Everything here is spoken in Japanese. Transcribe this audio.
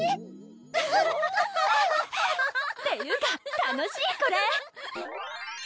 アハハっていうか楽しいこれ！